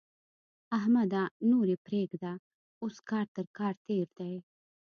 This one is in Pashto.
احمده! نور يې پرېږده؛ اوس کار تر کار تېر دی.